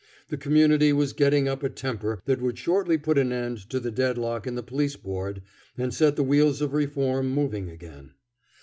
The community was getting up a temper that would shortly put an end to the deadlock in the Police Board and set the wheels of reform moving again.